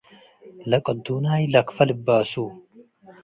ለቅዱናይ ለክፈ ልባሱ